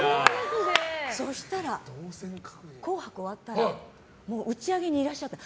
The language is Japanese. そしたら「紅白」が終わったら打ち上げにいらっしゃった。